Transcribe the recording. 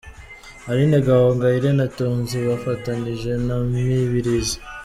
Aline Gahongayire na Tonzi bafatanyije na Mibirizi.